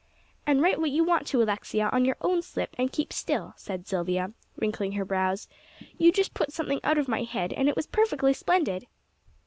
"And write what you want to, Alexia, on your own slip, and keep still," said Silvia, wrinkling her brows; "you just put something out of my head; and it was perfectly splendid."